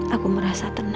aku merasa tenang